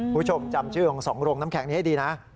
คุณผู้ชมจำชื่อของ๒โรงน้ำแข็งนี้ให้ดีนะ